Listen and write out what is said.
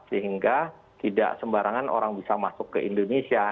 sehingga tidak sembarangan orang bisa masuk ke indonesia